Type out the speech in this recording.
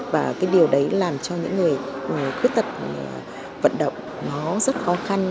và cái điều đấy làm cho những người khuyết tật vận động nó rất khó khăn